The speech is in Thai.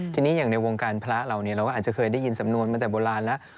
ทีนี้อย่างในวงการพระเราเราก็อาจจะเคยได้ยินสำนวนมาแต่โบราณแล้ว